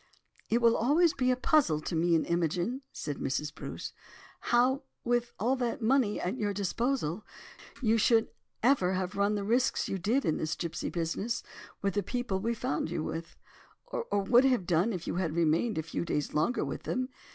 "It will always be a puzzle to me and Imogen," said Mrs. Bruce, "how, with all that money at your disposal, you should ever have run the risks you did in this gipsy business, with the people we found you with, or would have done, if you had remained a few days longer with them.